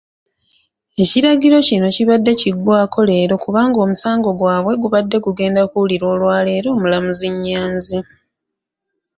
Ekiragiro kino kibadde kiggwako leero kubanga omusango gwabwe gubadde gugenda kuwulirwa olwaleero omulamuzi Nyanzi.